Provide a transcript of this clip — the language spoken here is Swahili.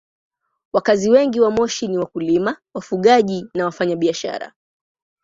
Wakazi wengi wa Moshi ni wakulima, wafugaji na wafanyabiashara.